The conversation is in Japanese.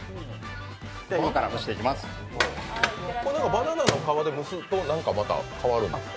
バナナの皮で蒸すと、何か変わるんですか？